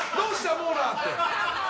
モーラーって。